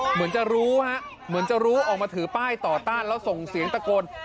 เหมือนจะรู้ออกมาถือป้ายต่อต้านแล้วส่งเสียงตะโกน